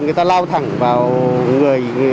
người ta lao thẳng vào người